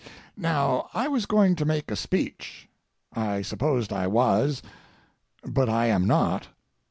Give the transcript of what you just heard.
Now, I was going to make a speech—I supposed I was, but I am not.